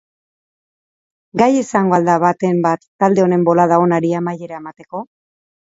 Gai izango al da baten bat talde honen bolada onari amaiera emateko?